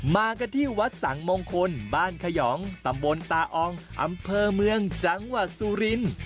มากันที่วัดสังมงคลบ้านขยองตำบลตาอองอำเภอเมืองจังหวัดสุรินทร์